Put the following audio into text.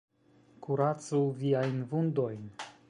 Kuracu viajn vundojn.